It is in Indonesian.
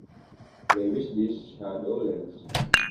Lewis di "Shadowlands".